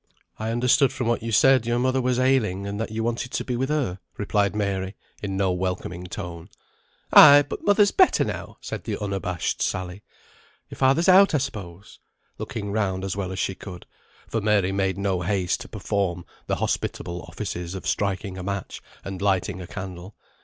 "I understood from what you said your mother was ailing, and that you wanted to be with her," replied Mary, in no welcoming tone. "Ay, but mother's better now," said the unabashed Sally. "Your father's out I suppose?" looking round as well as she could; for Mary made no haste to perform the hospitable offices of striking a match, and lighting a candle.